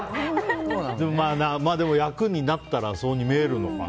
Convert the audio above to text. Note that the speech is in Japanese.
でも、役になったらそういうふうに見えるのかな。